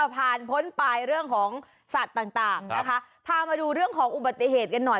ผ่านพ้นไปเรื่องของสัตว์ต่างต่างนะคะพามาดูเรื่องของอุบัติเหตุกันหน่อย